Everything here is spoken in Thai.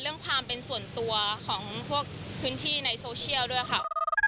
เรื่องความเป็นส่วนตัวของพวกพื้นที่ในโซเชียลด้วยค่ะ